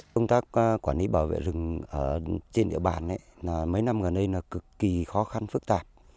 công tác quản lý bảo vệ rừng trên địa bàn mấy năm gần đây là cực kỳ khó khăn phức tạp